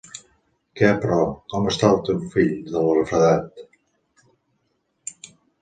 Què, però, com està el teu fill del refredat?